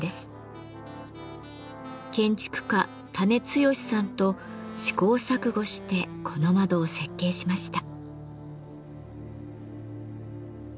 建築家田根剛さんと試行錯誤してこの窓を設計しました。